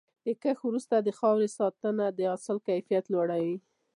د کښت وروسته د خاورې ساتنه د حاصل کیفیت لوړوي.